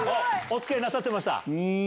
お付き合いなさってました？